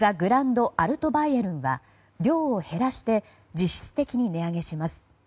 アルトバイエルンは量を減らして実質的に値上げします。